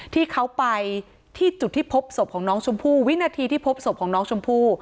ที่เขาไปที่จุดที่พบศพของน้องชมพู่วินาทีที่พบศพของน้องชมพู่